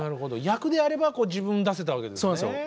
役であれば自分を出せたわけですね。